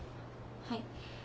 はい。